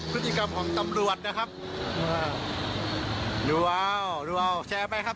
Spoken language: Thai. พฤติกรรมของตำรวจนะครับดูเอาดูเอาแชร์ไปครับ